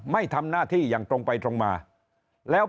ไม่ทำหน้าที่อย่างตรงไปตรงมาแล้ว